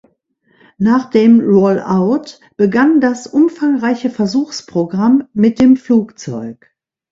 Nach dem Rollout begann das umfangreiche Versuchsprogramm mit dem Flugzeug.